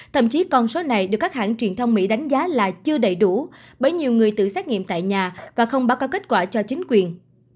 thậm chí con số này được các hãng truyền thông mỹ đánh giá là chưa đầy đủ bởi nhiều người tự xét nghiệm tại nhà và không báo cáo kết quả cho chính quyền